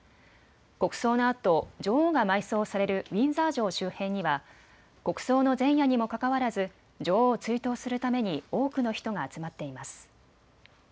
国葬のあと女王が埋葬されるウィンザー城周辺には国葬の前夜にもかかわらず女王を追悼するために多くの人が集まっています。